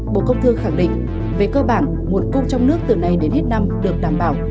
bộ công thương khẳng định về cơ bản nguồn cung trong nước từ nay đến hết năm được đảm bảo